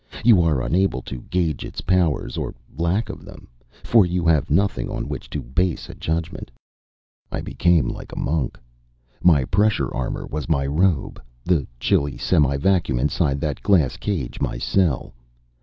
You are unable to gauge its powers, or lack of them, for you have nothing on which to base a judgment. I became like a monk my pressure armor was my robe; the chilly semi vacuum inside that glass cage, my cell.